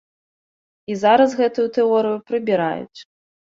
І зараз гэтую тэорыю прыбіраюць.